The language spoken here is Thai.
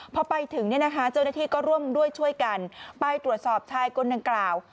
พอไปถึงเนี่ยนะคะเจ้าหน้าที่ก็ร่วมด้วยช่วยกันไปตรวจสอบชายคนดังกล่าว